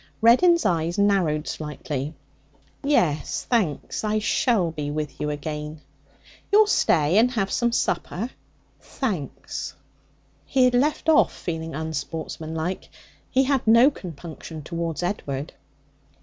Reddin's eyes narrowed slightly. 'Yes, thanks. I shall be with you again.' 'You'll stay and have some supper?' 'Thanks.' He had left off feeling unsportsmanlike. He had no compunction towards Edward.